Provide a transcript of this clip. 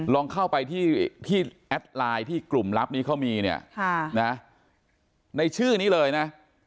ลองเข้าไปที่แอดไลน์ที่กลุ่มลับนี้เขามีเนี่ยในชื่อนี้เลยนะ